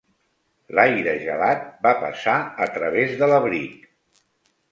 L'aire gelat va passar a través de l'abric.